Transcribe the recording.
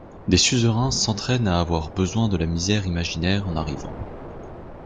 Des suzerains s'entrainent à avoir besoin de la misère imaginaire en arrivant.